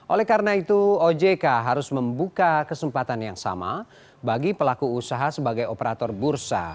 oleh karena itu ojk harus membuka kesempatan yang sama bagi pelaku usaha sebagai operator bursa